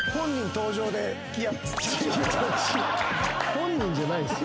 本人じゃないです。